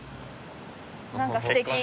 何かすてき。